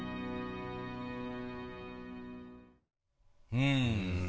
うん。